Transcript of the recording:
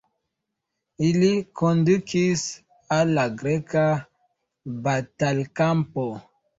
Ili kondukis al la greka batalkampo.